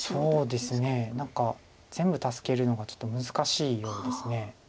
そうですね何か全部助けるのがちょっと難しいようです。